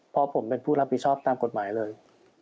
เพราะผมเป็นผู้รับผิดชอบตามกฎหมายเลย